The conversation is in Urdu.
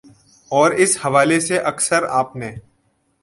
اور اس حوالے سے اکثر آپ نے